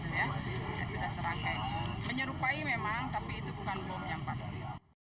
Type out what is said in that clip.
menyerupai memang tapi itu bukan bom yang pasti